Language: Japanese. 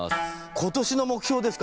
今年の目標ですか？